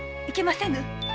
いけませぬ！